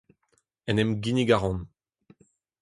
En em ginnig a ran.